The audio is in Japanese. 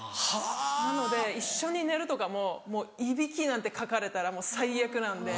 なので一緒に寝るとかもいびきなんてかかれたらもう最悪なんで。